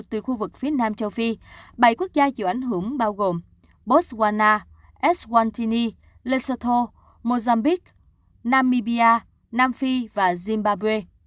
từ khu vực phía nam châu phi bảy quốc gia chịu ảnh hưởng bao gồm botswana eswantini lesotho mozambique namibia nam phi và zimbabwe